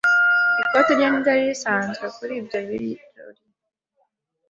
Ikoti rye ntiryari risanzwe kuri ibyo birori.